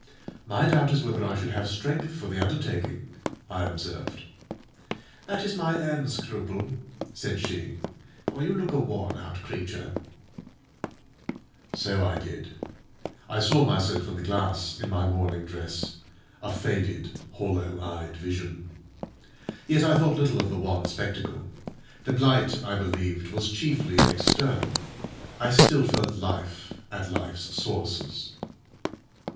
"My doubt is whether I should have strength for the undertaking," I observed. "That is my own scruple," said she; "for you look a worn out creature." So I did. I saw myself in the glass, in my mourning dress, a faded, hollow eyed vision. Yet I thought little of the wan spectacle. The blight, I believed, was chiefly external: I still felt life at life's sources.